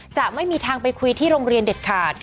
จะไม่มีทางไปคุยที่โรงเรียนเด็ดขาด